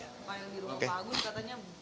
pak yang di rumah pak agus katanya